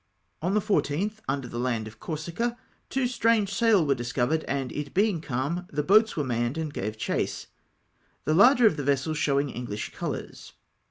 On the 14th, under the land of Corsica, two strange sail were discovered, and it being calm, the boats were manned and gave chase, the larger of the vessels show ino; Eno'hsh colours.